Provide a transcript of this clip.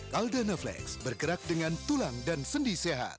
caldana flex bergerak dengan tulang dan sendi sehat